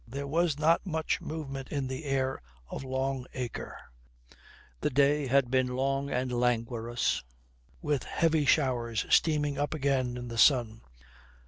There was not much movement in the air of Long Acre. The day had been warm and languorous, with heavy showers steaming up again in the sun.